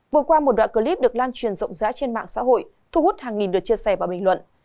vừa qua một đoạn clip được lan truyền rộng rãi trên mạng xã hội thu hút hàng nghìn lượt chia sẻ và bình luận